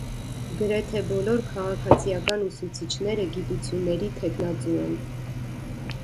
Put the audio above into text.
Գրեթե բոլոր քաղաքացիական ուսուցիչները գիտությունների թեկնածու են։